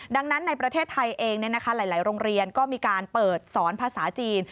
ดังนั้นในประเทศไทยเองหลายโรงเรียนก็มีการเปิดสอนภาษาจีน